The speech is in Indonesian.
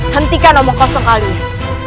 hentikan omong kau sekalian